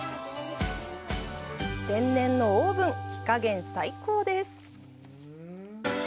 天然のオーブン火加減、最高です。